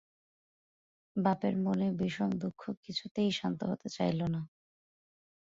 বাপের মনে বিষম দুঃখ কিছুতেই শান্ত হতে চাইল না।